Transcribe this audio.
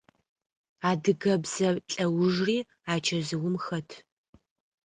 Адыгэ бзэ лӏэужри а чэзыум хэт.